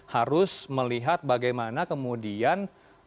harus melihat bagaimana kemudian